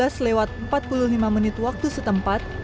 sekitar pukul lima belas lewat empat puluh lima menit waktu setempat